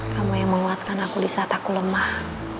kamu yang menguatkan aku disaat aku lemah